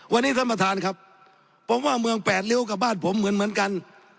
วันนี้ท่านประธานครับผมว่าเมืองแปดริ้วกับบ้านผมเหมือนกัน